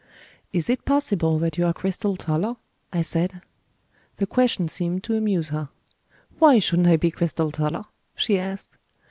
"Is it possible that you are Cristel Toller?" I said. The question seemed to amuse her. "Why shouldn't I be Cristel Toller?" she asked.